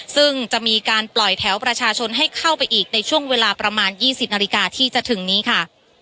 ซึ่งจะมีการปล่อยแถวประชาชนให้เข้าไปอีกในช่วงเวลาประมาณ๒๐นาฬิกาที่จะถึงนี้ค่ะ